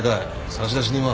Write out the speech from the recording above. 差出人は？